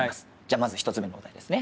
まず１つ目のお題ですね。